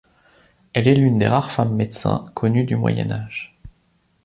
Elle est l'une des rares femmes médecins connues du Moyen Âge.